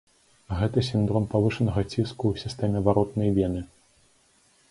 Гэта сіндром павышанага ціску ў сістэме варотнай вены.